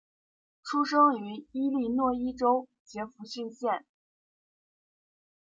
出生于伊利诺伊州杰佛逊县。